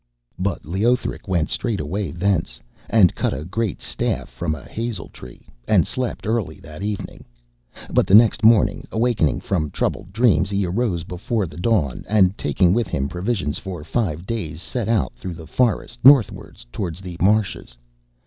But Leothric went straightway thence, and cut a great staff from a hazel tree, and slept early that evening. But the next morning, awaking from troubled dreams, he arose before the dawn, and, taking with him provisions for five days, set out through the forest northwards towards the marshes.